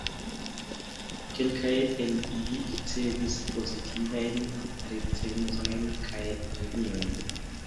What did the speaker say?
Kelkaj el ili ricevis pozitivajn recenzojn kaj premiojn.